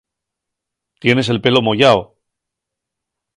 Tienes el pelo moyao.